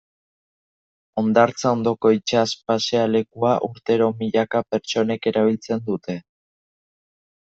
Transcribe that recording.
Hondartza ondoko itsas pasealekua urtero milaka pertsonek erabiltzen dute.